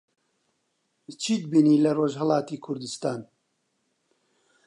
چیت بینی لە ڕۆژھەڵاتی کوردستان؟